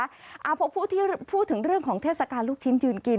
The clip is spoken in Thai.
เอาผู้ที่พูดถึงเรื่องของเทศกาลลูกชิ้นยืนกิน